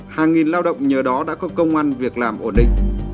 hàng nghìn lao động nhờ đó đã có công an việc làm ổn định